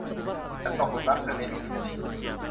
ฉันตกหลุมรักเธอในไม่กี่นาที